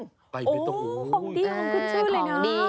ไก่เบตตงโอ้โฮของดีของคุณชื่อเลยนะโอ้โฮของดี